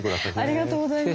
ありがとうございます。